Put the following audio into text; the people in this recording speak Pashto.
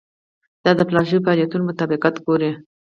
دا د پلان شوو فعالیتونو مطابقت ګوري.